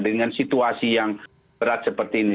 dengan situasi yang berat seperti ini